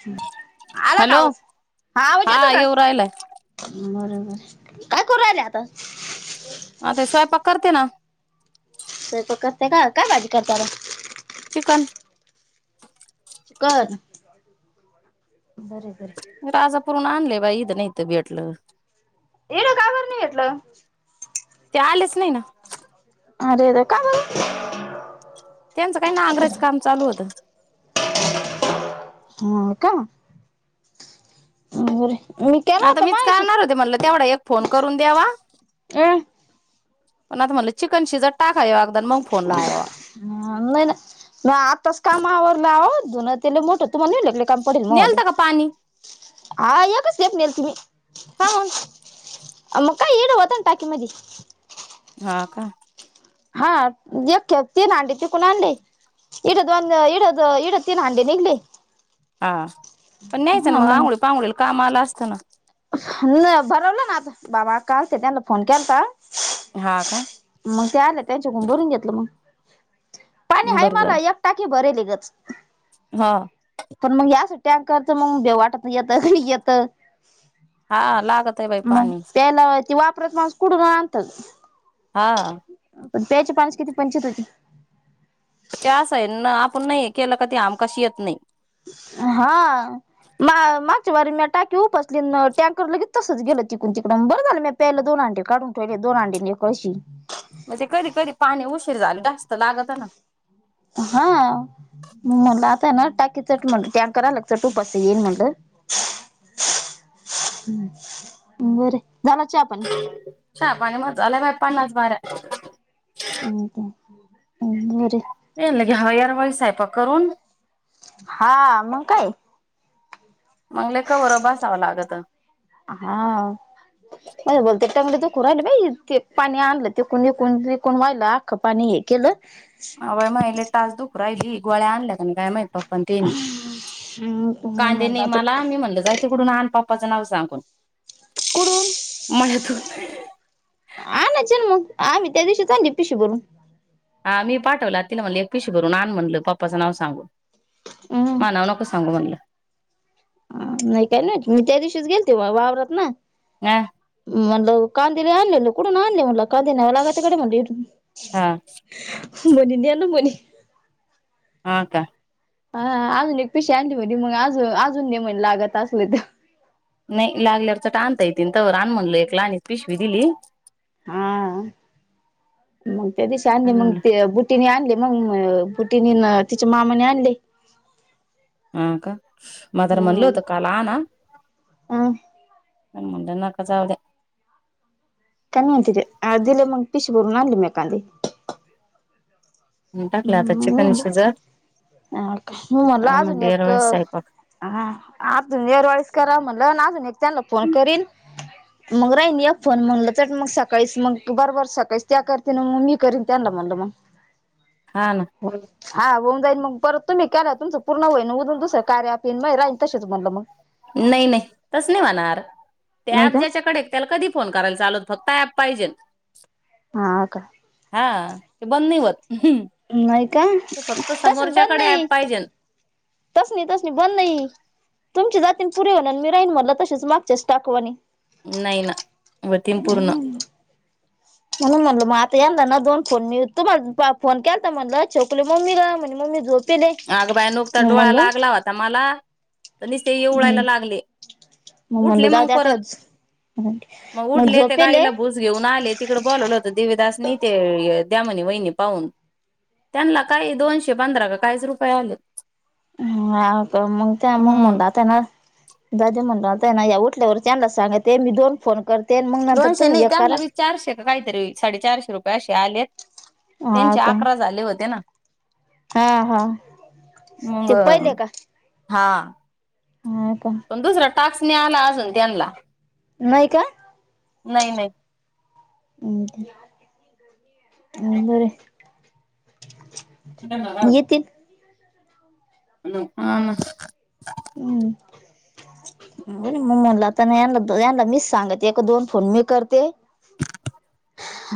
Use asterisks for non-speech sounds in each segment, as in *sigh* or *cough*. ह आला का हॅलो आवाज हा आवाज येतो का येऊ राहिलाय बर काय करु रायले आता म ते स्वयंपाक करते ना. स्वैपाक करताय का काय भाजी करता आता. चिकन चिकन बरे बरे. राजापुर हुन आणले. बाई इथ नाहीत भेटलं. एड का बर नाही घेतलं. च्यालीस. नही ना अरेरे! का बरं? त्यांचं काही नागंरायच काम चालू होत. ह का बर मी केला आता होता मीच मायाशी करणार होते म्हणलं तेवढा एक फोन करून द्यावा. अ न आता म्हनलं चिकन शिजतं टाक ह नही न म आताच काम आवरल अहो धून ते लयी मोठ तुमाला नही म्हणले नेलता का पाणी? हा एक च सेफ नेल ती मी कामून? मग काय ईड होत ना टाकी मधी हा का हा येक खेप तीन हांडे तीकुण आणले इड दोन इड त इड तीन हंडे निघले हा न्यायचं ना हा मग आंघोळी पांघोळीला काम आलं असतं ना न भरवलं ना आता बाबा अक्का आलते त्यांना फोन केलता हा का मंग ते आलं त्यांच्याकून भरून घेतलं मंग पाणी हाई बरं मला झालं एक टाकी भरेल ये *inaudible* *inaudible* मंग या असं टँकरच मंग भेव वाटत येतं का नही येत हा लागत आहे बाई मंग पाणी प्यायला ती वापरत माणस कुटून आणत हा प्यायचे पान्याची किती पंचत होती? ते अस आहे ना आपण नही केलं का ते हमकास येत नही हा मा मग म्या टाकी उपसली न टँकर लगे तसच गेलं तिकून तिकडून बर झालं मी प्यायला दोनं हांडे काढून ठेवले दोन हांडे न एक कळशी म ते कधी कधी पाणी उशीर झाल ता लागात ना. हा म्हणलं आताय ना टाकी चट म्हट टँकर आल चट उपासता येईन म्हणलं हम्म बर चहा पाणी म झाला बा पन्नास बाऱ्या *inaudible* हूं बर ये लघे हयारवळी साहेपाक करून हा मग काय? मंग लय कवर बसावं लागत हां मले भलते तंगड दुखून राहिलं बाई ते पाणी आणलं तिकून विकून तिकून वायलं आख्ख पाणी हे केलं अवय महिले टाच दुखू राहिली गोळ्या आणल्या काय नाई काय माहित पण तेन नाही कांदे म्हणलं नाई आता मला मी म्हणलं जाय तिकडून आण पाप पप्पाच नाव सांगून *inaudible* मळ्यातून आणायचे ना मग आम्ही त्या दिशीच आणली पिशी भरून आमी पाठवलं तिला म्हणले एक पिशी भरून आणन म्हणलं पप्पाचं नाव सांगून हम् मा नाव नको सांगू म्हणलं. नाही काय नाही मी त्या दिवशीच गेलते वा वावरात ना. हा म्हणलं कांदे लई आणलेल कुठून आणले म्हटलं कांदे न्याया लागतं म्हटलं इथून हां मनी दे ना मनी हां का? हां अजून एक पिशी आणली होती मग अज अजून दे म्हणल लागत असले तर नाही लागल्यावर चट आणता येतील. तवर आण म्हणलं एक लहानी पिशवी दिली. हां मग त्या दिशी आणली आणि मग म्हणलं ते बुटीने आणली. मग बुटीनी न तिच्या मामाने आणले. हां का मा तरं म्हणल हम्म होतं काल आणा. अ पण म्हणलं नका जाऊ द्या. कमी होती ते दिले मग पिशी भरून आणली म्या कांदे. द्या टाकलं आता हम्म चिकन शिजत मी म्हणल मग अजून एक दरवेळेस स्वयंपाक अजून येरवाळीस करा म्हणलं अजून मी त्यांना फोन करीन मग राहिन एक फोन म्हणल चट मग सकाळीच मग बारबार सकाळीच त्या करते न मग मी करीन त्यांनला म्हणल मग हा ना हो हा होऊन जाईन मग परत तुम्ही केला तुमचं पूर्ण होईन उरून दुसरं कार्या आप येईन मे राहीन तसेच म्हटलं मग नई नई तस नाई व्हणार. त्या नाही अप का ज्याच्याकडे त्याला कधी फोन करायला चालत. फक्त अँप पाहिजेत. हां का? हां ते बंद नाई होत. नाही का? ते फक्त तसच बंद समोरच्याकडे ऍप नाही. पाहिजे तस नाही तस नाही बंद नाही तुमचे जातीन पुरे अन् मी राहीन म्हणल तसेच मागच्या स्टॉक वाणी नाही ना व्हतीन पूर्ण. म्हणून म्हणलं म आता याना ना दोन फोन मी तुमला फोन केलता म्हणलं छकुली मम्मी ग म्हणे मम्मी झोप आगबाय नुकता डोळा लागला होता मला निसते हम्म यिवळायला लागले उठले म्हणलं जाऊ मग द्या त्या परत मग उठले ते गाईला भूस घेऊन आले तिकड बोलवलं होत देवीदास नी ते द्या म्हने वहिनी पाहून त्यांनला काय दोनशे पंधरा काहीच रुपया आलेत. हा का मग त्यामूळ हम्म मला त्यानं जाऊदे म्हणाल ते नाही उठल्यावर त्यांनलाच सांगते मी दोन फोन करते. मग नंतर दोनशे तुम्ही नाही एक करा त्यानलाबी चारशे काय काहीतरी साडे चारशे रुपये आशे ते आलेत हा त्यांचे का अकरा झाले होते ना हा हा ते पहिले का हां हा का पण दुसरा टास्क आला अजून त्यांनला नाही का? अम् बरे येतील हा ना हम् म्हनू म म्हनल आता ना यांनला यांनला मीच सांगते एक दोन फोन मी करते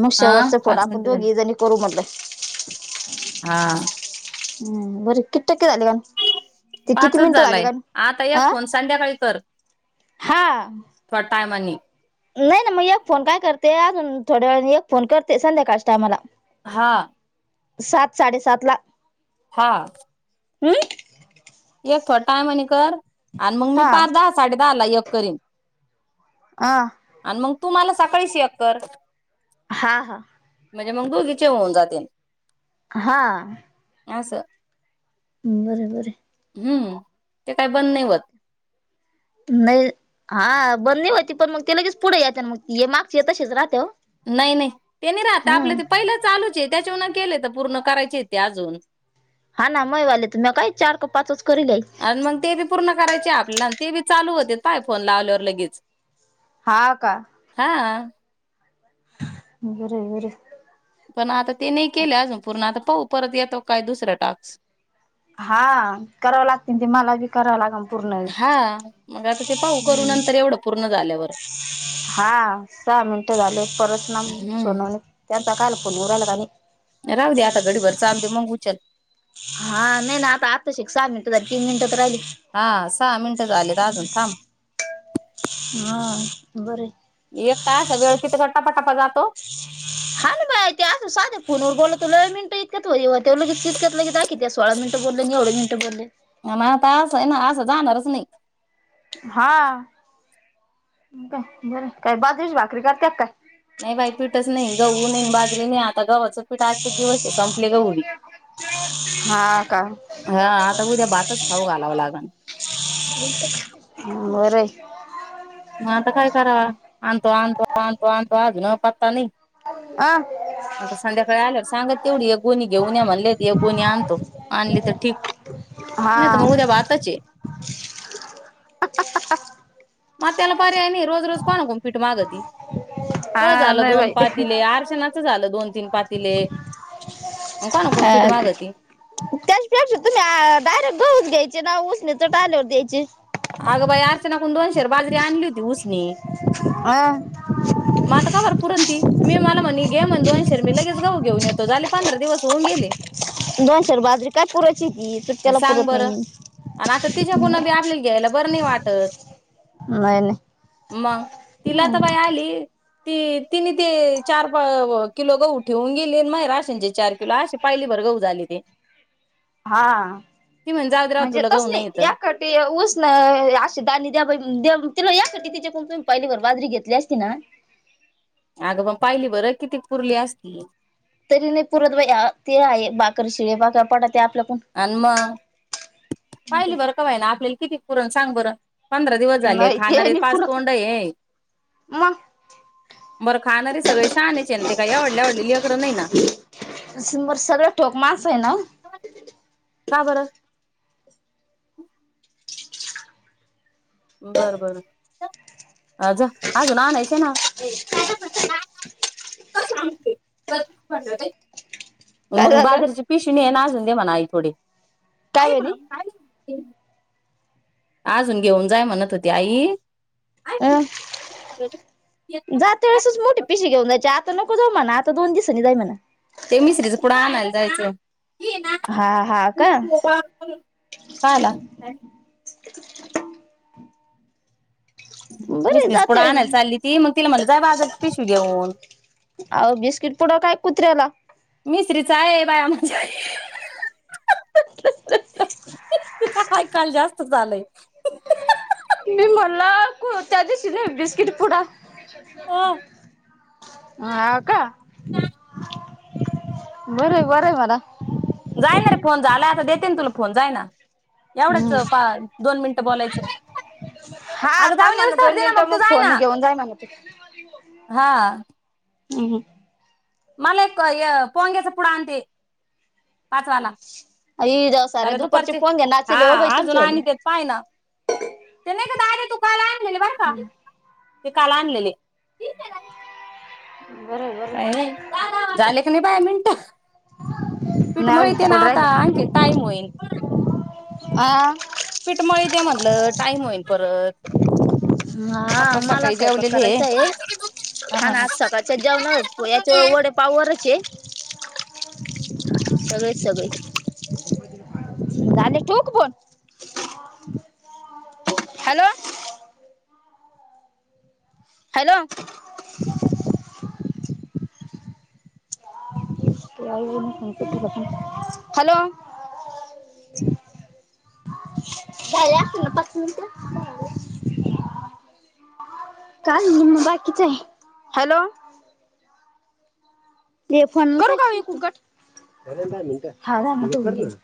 मग हा शेवटचा फोट पाच आपण मिनिट झाली दोघी जणी करू म्हनलं हा हम् बर कि पाचच झालाय का आता एक आ फोन संध्याकाळी कर हा थोड टायमानी नाही ना मग एक फोन काय करते आजून थोड्या वेळानी एक फोन करते संध्याकाळच्या टायमाला. हा सात साडे सात ला हा हम्म एक टायमानी कर आणं मगं मी हा पार दहा साडे दहाला यक करीन हा आणं मगं तू मला सकाळीच एक कर हा हा म्हजे मग दोघीचे होऊन जातीन. हा अस ् बर बर हम्म ते काही बंद नाही होत नाही हा बंदी होती पण मग ते लगेच पुढे येत ना मग मागच ये तशीच राहते ओ नाही नाही ते नाही राहत आपलं ते पहिलं चालूच आहे. त्याच्या केले तर पूर्ण करायचीेते अजून हा ना मयवाले तु म काय चार का पाचच करलय आणि मग ते बी पूर्ण करायचे ते बी चालू होते पाय फोन लावल्यावर लगीच. हा, का? बर हाय बर. पण आता ते नाही केले अजून पूर्ण आ पाहू परत येतो का काय दुसऱ्या टास्क. हा कराव लागते तेन मला बी कराव लागन पूर्ण. हा मग आता ते पाहू करू हम्म नंतर एवढं पूर्ण झाल्यावर हा, सहा मिनट झाले. परत ना हम्म सोनवणी त्यात त्या काल फोनवर का आणि राहू दे आता घडी भर चालु दे मग उचल. हा नाही ना आता आताशी एक सहा मिनिटं झाली, तीन मिनिटं तर राहिली. हा सहा मिनिटं झालेत अजून थांब हा बर हाय. एक तर असा वेळ किती *unintelligible* हा ना बाई ते आू साध फोनवर बोलत तो मिनट इतकत होत होय इतक्यात की आखीत्या सोळा मिनटं बोलले आणि एवढे मिनटं बोलले. मग आता असं ना असं जाणारच नाही. हा काय बर आहे. काय बाजरीची भाकरी करत्या का काय? नाही बाई पीठच नाही. गहूही नाही, बाजरी नाही आता गव्हाच पीठ आजच दिवस आहे सं हा का? हा आता उद्या भातच खाऊ घालावं लागल बरं *inaudible* मग आता काय करावा आणतो, आणतो आणतो, आणतो आजुन पता नाही. अ आता संध्याकाळी आल्यावर सांगत तेवढी एक गोणी घेऊन या म्हणले एक गोणी आणतो. आणली तर ठीक हा नाही तर मग उद्या भातच हे. मग आता त्याला पर्याय नाही. रोज रोज कोणाकडून पिठ मागती? तुज हा झालं नाही दोन बाई पातीले, आरचनाचं झालं दोन तीन पाातीले अ त्याचपेक्षा तुम्ही डायरेक्ट गहून घ्यायचे ना. उ तर टायलवर द्यायची. अग बया कुन दोन शेर बाजरी आणली होती उसनी. अह मग आता कावर पुरण ती मी मला म्हणे घे म्हणे दोन शेर मी लगेच गहू घेऊन येतो, झाले पंधरा दिवस होऊन गेले. दोन शेर बाजरी काय पुरलं. सांग बर आणि आता तिच्याकडून बी आपल्याला घ्यायला बरं नाही वाट टत नाही नाही मग ती लताबाई आली ती तिने ते चार प किलो, गहू ठेऊन गेली अन माहे राशन चे चार किलो, अशे पायलीभर गहू झाले ते. हा ती म्हण जाऊ दे राव म्हणजे तुला गहू तसं नाही येत नही एक खटी उस न अशे दाणे दया बई दया तिला एक तर तिच्याकून तुमी पायली भर बाजरी घेतली असती ना. अगं मं पायली भर किती पुरली असती. तरी नही पुरत बया ते आहे भाकर शिळी बघा पडात अन म पायलीभर का व्हयना आपल्याला किती पुरण सांग बरं? पंधरा दिवस झाले नाही ते खाणारे नाही पाच पुरत तोंड हे. मग बरं खाणारे सगळे शहानेच हे न ते काय ऐवाडले, ऐवाडले लेकर नही ना. सिमर सगळं ठोक माणसं आहे ना का बरं? बर, बर आजा अजून आणायचे ना काय मंग झालं? बाजारची पिशवी नेना अजुन. दे म्हणा आई थोडी. *unintelligible* काय म्हणे तीन अजून घेऊन जाय, म्हणत होती आई. अं जाते वेळेसच मोठी पिशी घेऊन जायची आ त नको जाऊ म्हणा, आता दोन दिसांनी जाय म्हणा. ते मिसरीच पुढं आणायला हा हा का *unintelligible* बरे मिसरीच पुडा जाते आणायला चाली ती मग तिला म्हणलं जाय बाजारची पिशवी घेऊन अहो बिस्किट पुडा काय कुत्र्याला मिश्री काय बाई आमच्या घरी यायकाल जास्तच झालय. कू त्यादिवशीनही बिस्किट पुडा हा हा का! बरय, बरय य म्हणा. जाय ना रे फोन झाला, त देते न तुला फोन जाय ना. हम्म एवढंचं पा दोन मिनिटं बोलायचं, हा अगं थांब जाऊन म्हणा येवसतोरं दोन दे ना मग मिनिटं तू जायना. फोन *inaudible* हा! हुं हुं! माला एक ए पोंग्याचा पुढा आणते पाच वाला. आई जाव सारे दुपारचे पोंगे हा नाचले हो बाई अजून तुमचे वाले आणित्यात पायना ते नाही का दादया तू काल आणलेले बरं का. काल आणलेले. बरं बरं नही झाले क नाही बाय मिनटं, पीठ नाही मळीते अजून ना थोडं आता राहिलं आणखीन टाईम होईन. आ! पिठ मळीते म्हनलं टाईम होईन. मं हा पप्पा माला सकाळी सयपाक जेवलेले करायचां हे हा, हा, हाना आज सकाळच्या जेवणावर हे हा. याच्यावर वडे पाववर सगळे, सगळे झाले ठयुका फोन हालो! हॅलो! हॅलो काय मग बाकीच आहे हॅलो हे फोन करू काऊ मी फुकट